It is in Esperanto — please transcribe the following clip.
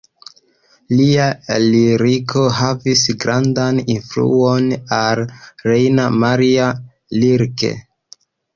Lia liriko havis grandan influon al Rainer Maria Rilke.